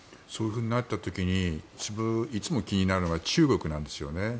そういうふうになった時にいつも気になるのが中国なんですよね。